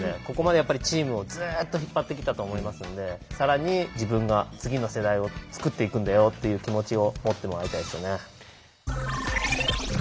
ここまでやっぱりチームをずっと引っ張ってきたと思いますんで更に自分が次の世代を作っていくんだよっていう気持ちを持ってもらいたいですよね。